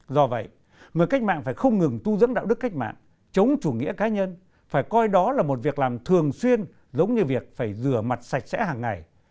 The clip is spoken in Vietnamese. do vậy người cách mạng phải không ngừng tu dưỡng đạo đức cách mạng chống chủ nghĩa cá nhân phải coi đó là một việc làm thường xuyên giống như việc phải rửa mặt sạch sẽ hàng ngày